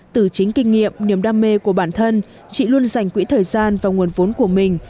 từ chính kinh nghiệm niềm đam mê của bản thân chị luôn dành quỹ thời gian và nguồn vốn của mình